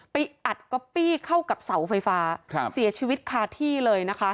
อัดก๊อปปี้เข้ากับเสาไฟฟ้าเสียชีวิตคาที่เลยนะคะ